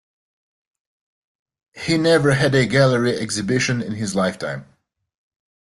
He never had a gallery exhibition in his lifetime.